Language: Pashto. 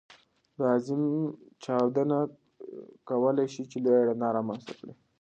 دا عظيم چاودنه کولی شي لویه رڼا رامنځته کړي.